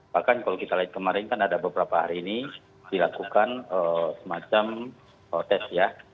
bahkan kalau kita lihat kemarin kan ada beberapa hari ini dilakukan semacam tes ya